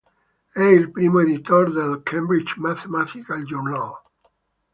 È il primo editor del "Cambridge Mathematical Journal".